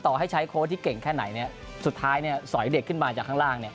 ต่อให้ใช้โค้ชที่เก่งแค่ไหนสุดท้ายสอยเด็กขึ้นมาจากข้างล่าง